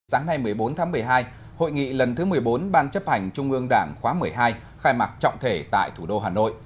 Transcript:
sáng nay một mươi bốn tháng một mươi hai hội nghị lần thứ một mươi bốn ban chấp hành trung ương đảng khóa một mươi hai khai mạc trọng thể tại thủ đô hà nội